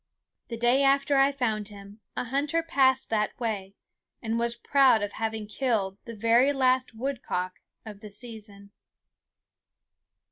The day after I found him a hunter passed that way, and was proud of having killed the very last woodcock of the season.